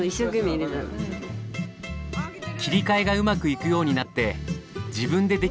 切り替えがうまくいくようになって自分でできること増えました。